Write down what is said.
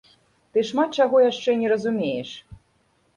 Ты шмат чаго яшчэ не разумееш!